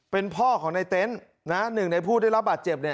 เป็นพ่อของไอ้เต็นหนึ่งในผู้ได้รับบาตเจ็บ